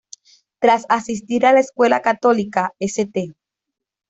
Tras asistir a la escuela católica St.